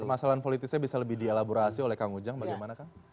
permasalahan politisnya bisa lebih dielaborasi oleh kang ujang bagaimana kang